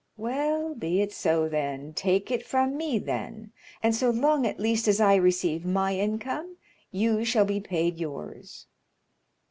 "Well, be it so, then. Take it from me then, and so long at least as I receive my income, you shall be paid yours."